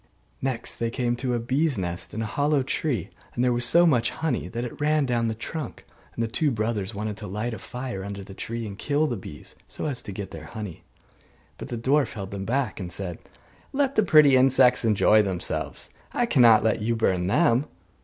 Next they came to a bees' nest in a hollow tree, and there was so much honey that it ran down the trunk; and the two brothers wanted to light a fire under the tree and kill the bees, so as to get their honey. But the dwarf held them back, and said, 'Let the pretty insects enjoy themselves, I cannot let you burn them.